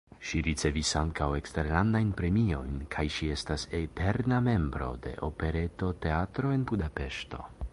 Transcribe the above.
Ŝi ricevis ankaŭ eksterlandajn premiojn kaj ŝi estas "eterna membro de Operetoteatro" en Budapeŝto.